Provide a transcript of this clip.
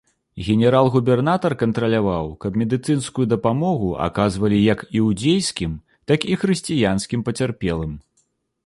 Генерал-губернатар кантраляваў, каб медыцынскую дапамогу аказвалі як іудзейскім, так і хрысціянскім пацярпелым.